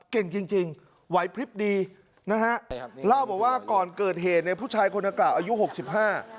เก่งจริงจริงไหวพลิบดีนะฮะเล่าบอกว่าก่อนเกิดเหตุเนี่ยผู้ชายคนกล่าวอายุหกสิบห้า